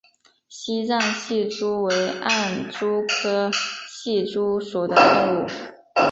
西藏隙蛛为暗蛛科隙蛛属的动物。